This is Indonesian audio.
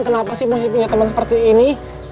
kenapa sih masih punya teman seperti ini